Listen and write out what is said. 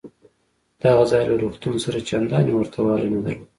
دغه ځای له روغتون سره چندانې ورته والی نه درلود.